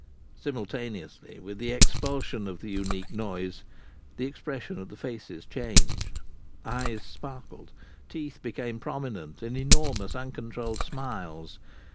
Simultaneously with the expulsion of the unique noise the expression of the faces changed. Eyes sparkled; teeth became prominent in enormous, uncontrolled smiles.